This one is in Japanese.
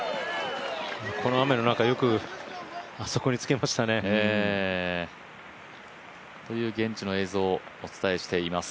この雨の中よく、あそこにつけましたね。という、現地の映像をお伝えしております。